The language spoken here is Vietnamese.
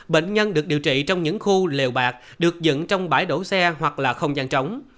bệnh nhân được điều trị trong những khu lèo bạc được dựng trong bãi đổ xe hoặc là không gian trống